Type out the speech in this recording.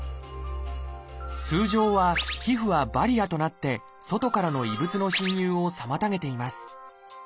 通常は皮膚はバリアとなって外からの異物の侵入を妨げています。